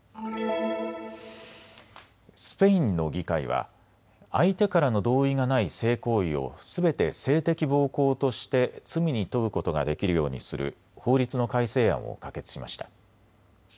スペインの議会は相手からの同意がない性行為をすべて性的暴行として罪に問うことができるようにする法律の改正案を可決しました。